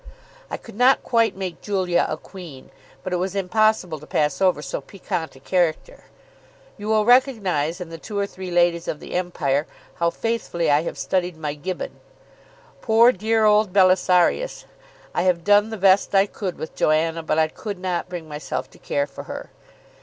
I could not quite make Julia a queen; but it was impossible to pass over so piquant a character. You will recognise in the two or three ladies of the empire how faithfully I have studied my Gibbon. Poor dear old Belisarius! I have done the best I could with Joanna, but I could not bring myself to care for her.